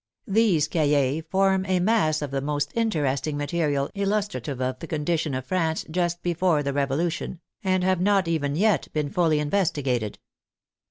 These cahiers form a mass of the most interesting material illustrative of the condition of France just before the Revolution, and have not even yet been fully investigated.